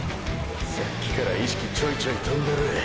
さっきから意識ちょいちょいトンでる。